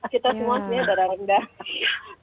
kita semua sebenarnya darah rendah